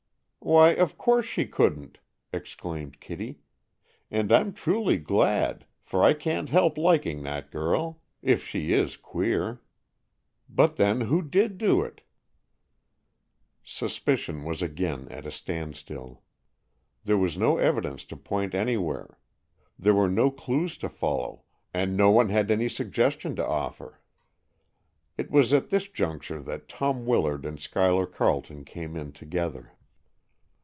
"Why, of course she couldn't!" exclaimed Kitty. "And I'm truly glad, for I can't help liking that girl, if she is queer. But, then, who did do it?" Suspicion was again at a standstill. There was no evidence to point anywhere; there were no clues to follow, and no one had any suggestion to offer. It was at this juncture that Tom Willard and Schuyler Carleton came in together.